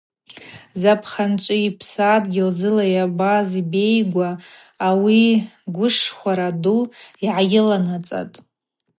Запхъанчӏви псадгьыл зыла йабаз Бейгуаа ауи гвышхвара ду гӏайыланацӏатӏ.